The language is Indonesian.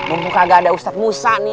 bumbu kagak ada ustadz musa nih